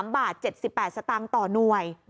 ๓บาท๗๘สตางค์ต่อหน่วย